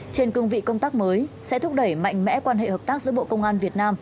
trên cương vị công tác mới sẽ thúc đẩy mạnh mẽ quan hệ hợp tác giữa bộ công an việt nam